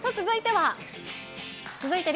続いては。